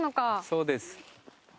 そうです。